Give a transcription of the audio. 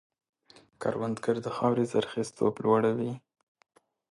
کروندګر د خاورې زرخېزتوب لوړوي